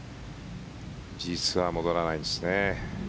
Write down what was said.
実は戻らないんですね。